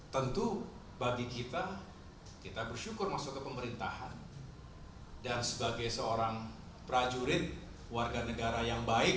tentu bagi kita kita bersyukur masuk ke pemerintahan dan sebagai seorang prajurit warga negara yang baik